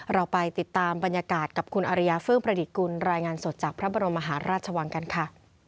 เราไปติดตามบรรยากาศกับคุณอริยาเฟื่องประดิษฐกุลรายงานสดจากพระบรมมหาราชวังกันค่ะ